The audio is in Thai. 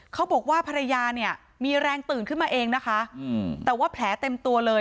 เขาบอกว่าภรรยาเนี่ยมีแรงตื่นขึ้นมาเองนะคะแต่ว่าแผลเต็มตัวเลย